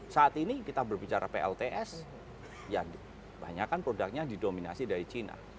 saat ini kita berbicara plts yang banyak kan produknya didominasi dari cina